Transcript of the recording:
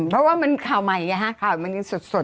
เพราะว่ามันข่าวใหม่ข่าวมันยังสดอยู่